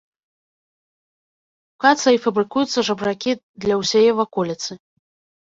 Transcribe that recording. Тут вядзецца іхняя адукацыя і фабрыкуюцца жабракі для ўсяе ваколіцы.